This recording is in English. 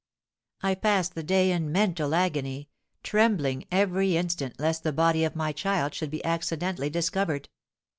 I passed the day in mental agony, trembling every instant lest the body of my child should be accidentally discovered.